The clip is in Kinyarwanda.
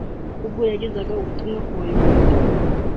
ubwo yagezaga ubutumwa ku bayobozi